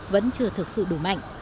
vẫn chưa thực sự đủ mạnh